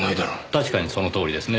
確かにそのとおりですね。